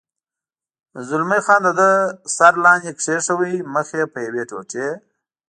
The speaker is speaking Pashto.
زلمی خان د ده سر لاندې کېښود، مخ یې په یوې ټوټې.